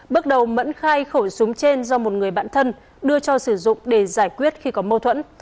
bước đầu mẫn khai khẩu súng trên do một người bạn thân đưa cho sử dụng để giải quyết khi có mâu thuẫn